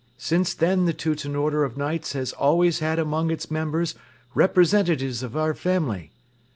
Since then the Teuton Order of Knights has always had among its members representatives of our family.